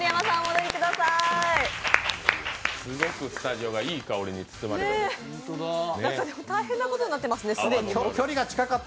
すごくスタジオがいい香りに包まれました。